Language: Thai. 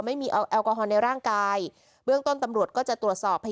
ไม่มีเอาแอลกอฮอลในร่างกายเบื้องต้นตำรวจก็จะตรวจสอบให้